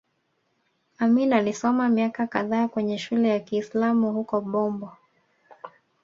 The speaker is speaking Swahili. Amin alisoma miaka kadhaa kwenye shule ya Kiislamu huko Bombo